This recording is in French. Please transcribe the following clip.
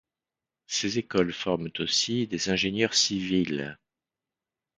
Ces écoles forment aussi des ingénieurs civils.